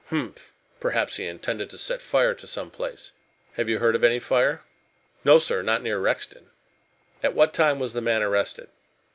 "Humph! Perhaps he intended to set fire to some place. Have you heard of any fire?" "No, sir, not near Rexton." "At what time was the man arrested?"